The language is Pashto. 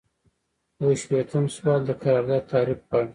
یو شپیتم سوال د قرارداد تعریف غواړي.